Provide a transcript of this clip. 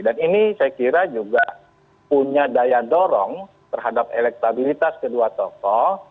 dan ini saya kira juga punya daya dorong terhadap elektabilitas kedua tokoh